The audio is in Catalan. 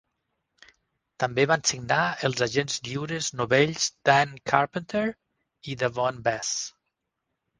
També van signar els agents lliures novells Dan Carpenter i Davone Bess.